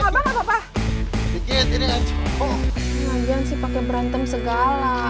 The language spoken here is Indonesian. magian sih pake berantem segala